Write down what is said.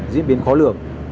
diễn biến khó lường